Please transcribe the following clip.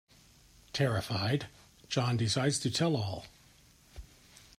Terrified, John decides to tell all.